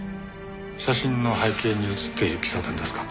写真の背景に写っている喫茶店ですか？